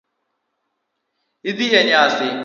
Idhi e nyasi?